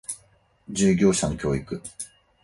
従業者の教育